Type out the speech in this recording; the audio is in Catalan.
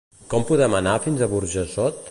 Com podem anar fins a Burjassot?